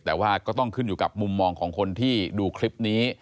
แต่ว่าก็ต้องขึ้นอยู่กับมุมมองของคนที่ดูคลิปนี้